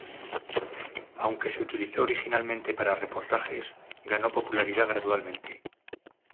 Aunque se utilizó originalmente para reportajes, ganó popularidad gradualmente.